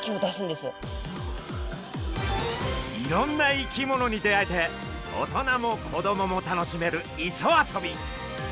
いろんな生き物に出会えて大人も子供も楽しめる磯遊び。